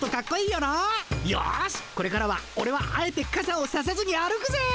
よしこれからはオレはあえてかさをささずに歩くぜ。